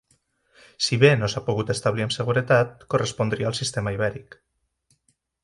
Si bé no s'ha pogut establir amb seguretat, correspondria al sistema Ibèric.